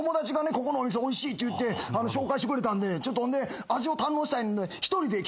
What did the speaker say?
ここのお店おいしいって言って紹介してくれたんでちょっと味を堪能したいので１人で来たんですよ。